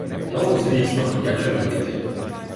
Ну, звісно, як же мені не піти?